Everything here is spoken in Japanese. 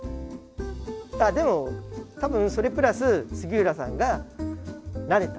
あでも多分それプラス杉浦さんが慣れた。